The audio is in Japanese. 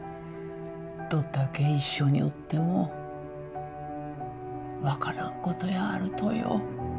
どっだけ一緒におっても分からんことやあるとよ。